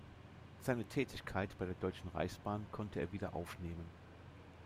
Seine Tätigkeit bei der Deutschen Reichsbahn konnte er wieder aufnehmen.